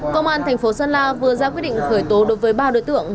công an thành phố sơn la vừa ra quyết định khởi tố đối với ba đối tượng